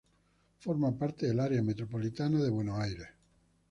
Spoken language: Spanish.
Forma parte del Área Metropolitana de Buenos Aires.